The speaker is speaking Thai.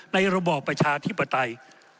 ระบอบประชาธิปไตย